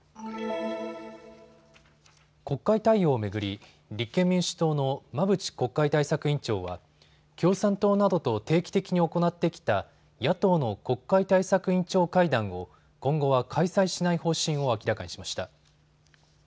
国会対応を巡り立憲民主党の馬淵国会対策委員長は共産党などと定期的に行ってきた野党の国会対策委員長会談を今後は開催しない方針を明らかにしました。